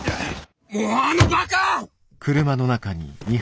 もうあのバカ！